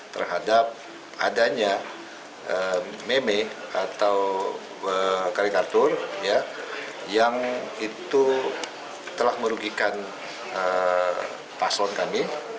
terhadap adanya meme atau karikatur yang itu telah merugikan paslon kami